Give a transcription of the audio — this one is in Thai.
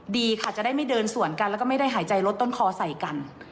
ดีค่ะจะได้ไม่เดินสวนกันแล้วก็ไม่ได้หายใจลดต้นคอใส่กัน